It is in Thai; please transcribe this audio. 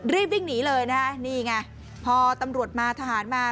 รีบวิ่งหนีเลยนะฮะนี่ไงพอตำรวจมาทหารมา